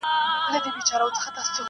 پاچا ورغى د خپل بخت هديرې ته-